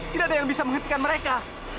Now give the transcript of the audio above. tidak ada yang bisa menghentikan mereka